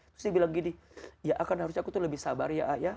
terus dia bilang gini ya akan harusnya aku tuh lebih sabar ya